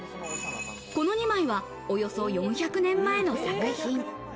この２枚は、およそ４００年前の作品。